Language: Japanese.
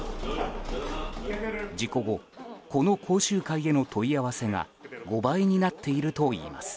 事故後この講習会への問い合わせが５倍になっているといいます。